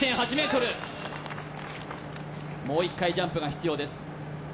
もう一回ジャンプが必要です